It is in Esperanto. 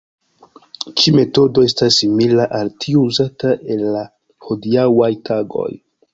Ĉi-metodo estas simila al tiu uzata en la hodiaŭaj tagoj.